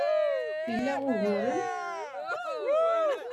Ila uguren?